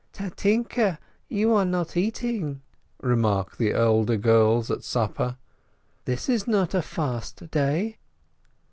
"Tatinke, you are not eating," remark the elder girls at supper, "this is not a fast day!"